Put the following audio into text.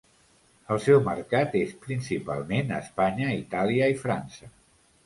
El seu mercat és principalment Espanya, Itàlia i França.